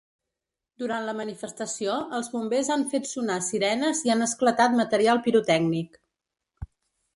Durant la manifestació els bombers han fet sonar sirenes i han esclatat material pirotècnic.